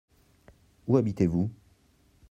Où habitez-vous ?